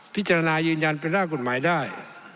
พิจารณายืนยันเป็นร่างกฎหมายได้